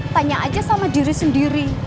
tanya aja sama diri sendiri